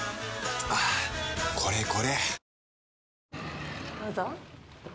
はぁこれこれ！